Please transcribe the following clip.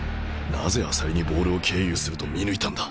なぜ朝利にボールを経由すると見抜いたんだ！？